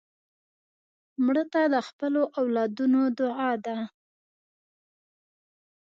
مړه ته د خپلو اولادونو دعا ده